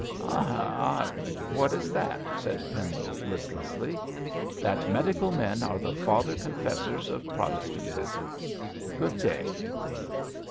'Ay, ay, what is that?' said Pendle, listlessly. 'That medical men are the father confessors of Protestantism. Good day!'